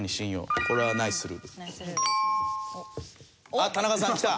あっ田中さんきた！